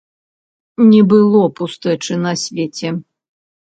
Не было пустэчы на свеце.